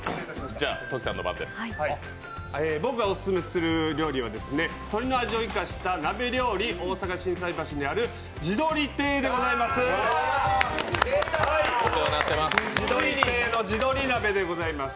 僕がオススメする料理は鶏の味を生かした大阪・心斎橋にある地鶏亭の地鶏鍋でございます。